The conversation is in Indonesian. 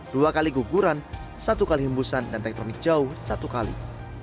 dua kali guguran satu kali hembusan dan tektonik jauh satu kali